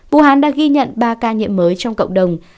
vũ hán đã ghi nhận ba ca nhiễm mới trong cộng đồng